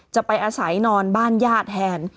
จะไปอาศัยนอนบ้านญาติแทน